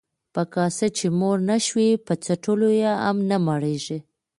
ـ په کاسه چې موړ نشوې، په څټلو يې هم نه مړېږې.